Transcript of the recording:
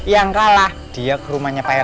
yang kalah dia ke rumahnya pak er